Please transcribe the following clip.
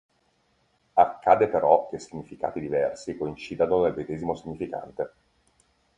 Accade però che significati diversi coincidano nel medesimo significante.